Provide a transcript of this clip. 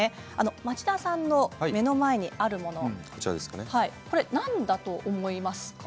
町田さんの目の前にあるもの何だと思いますか？